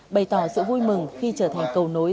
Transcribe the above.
bày tỏ sự vui mừng khi trở thành cầu nối